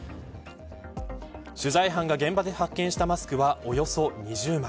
取材班が現場で発見したマスクはおよそ２０枚。